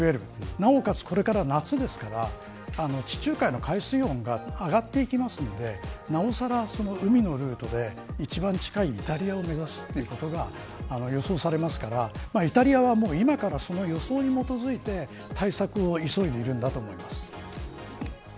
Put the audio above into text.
なおかつ、これから夏ですから地中海の海水温が上がっていきますのでなおさら海のルートで一番近いイタリアを目指すということが予想されますからイタリアは今からその予想に基づいて対策を急いでいるんだと思います。